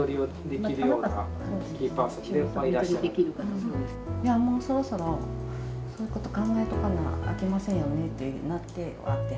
もうそろそろそういうこと考えとかなあきませんよねってなって。